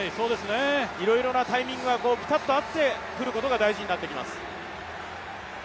いろいろなタイミングがピタッと合って振ることが大事になっています。